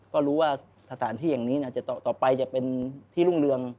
ก็รู้ว่าสถานที่อย่างนี้ต่อไปจะเป็นที่รุ่งเรือง